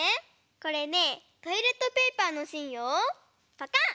これねトイレットペーパーのしんをぱかん！